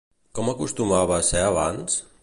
Com acostumava a ser abans?